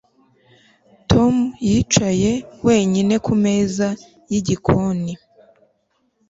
Tom yicaye wenyine kumeza yigikoni